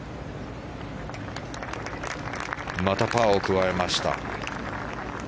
またパーを加えました。